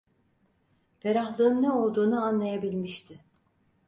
Ferahlığın ne olduğunu anlayabilmişti.